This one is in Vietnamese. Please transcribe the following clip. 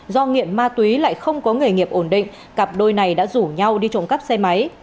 do nghiện ma túy lại không có nghề nghiệp ổn định cặp đôi này đã rủ nhau đi trộm cắp xe máy